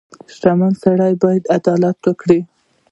• شتمن سړی باید عدالت وکړي.